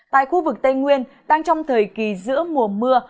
tại khu vực tây nguyên đang trong thời kỳ giữa mùa mưa